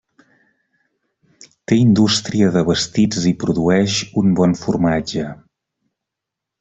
Té indústria de vestits i produeix un bon formatge.